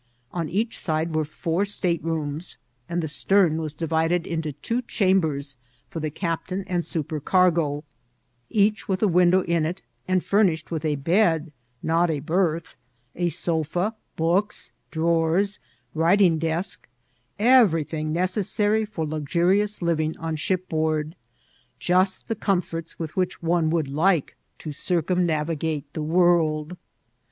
On each side were four staterooms, and the stern was divided into two chambers for the captain and supercargo, each with a window in it, and fumidi ed with a bed (not a berth), a sofa, books, drawers, writing desk, everything necessary for luxurious living on shipboard ; just the comforts with which one would like to circumnavigate the world.